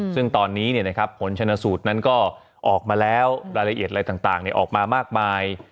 ซึ่งตอนนี้ผลชนสูตรนั้นก็ออกมาแล้วรายละเอียดอะไรต่างออกมามากมาย